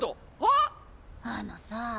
あのさ。